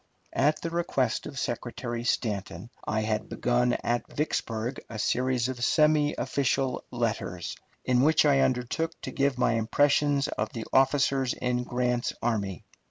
At the request of Secretary Stanton, I had begun at Vicksburg a series of semi official letters, in which I undertook to give my impressions of the officers in Grant's army.